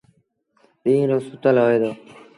ڏيٚݩهݩ رو سُتل هوئي دو۔